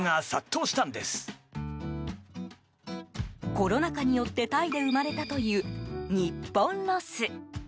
コロナ禍によってタイで生まれたというニッポンロス。